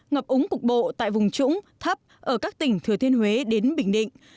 ngập úng cục bộ tại vùng trũng thấp ở các tỉnh thừa thiên huế đến bình định